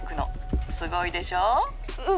すごいでしょう？